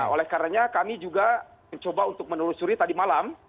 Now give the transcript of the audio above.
oleh karena kami juga mencoba untuk menelusuri tadi malam